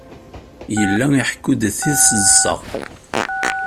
Yella iḥekku-d tiseḍsa.